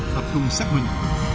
tập trung xác huynh